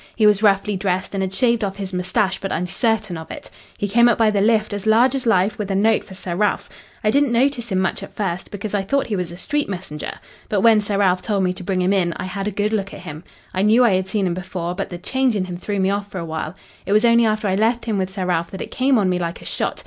He was roughly dressed and had shaved off his moustache, but I'm certain of it. He came up by the lift as large as life with a note for Sir Ralph. I didn't notice him much at first, because I thought he was a street messenger. But when Sir Ralph told me to bring him in I had a good look at him. I knew I had seen him before, but the change in him threw me off for a while. It was only after I left him with Sir Ralph that it came on me like a shot.